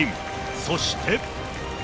そして。